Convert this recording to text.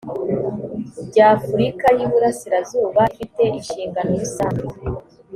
by afurika y iburasirazuba ifite inshingano rusange